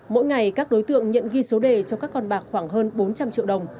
mỗi ngày các đối tượng nhận ghi số đề cho các con bạc khoảng hơn bốn trăm linh triệu đồng